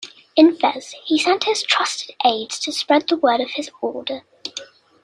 In Fez, he sent his trusted aides to spread the word of his order.